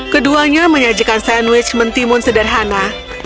keduanya menyajikan sandwich mentimun sederhana